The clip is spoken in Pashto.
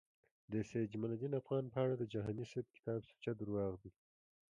د سید جمالدین افغان په اړه د جهانی صیب کتاب سوچه درواغ دی